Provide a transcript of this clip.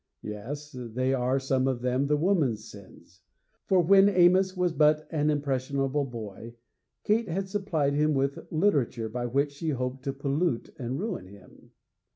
Yes, they are some of them the woman's sins. For when Amos was but an impressionable boy, Kate had supplied him with literature by which she hoped to pollute and ruin him.